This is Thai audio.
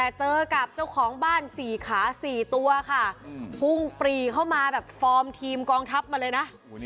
แต่เจอกับเจ้าของบ้าน๔ขา๔ตัวค่ะพุ่งปรีเข้ามาแบบฟอร์มทีมกองทัพมาเลยนะ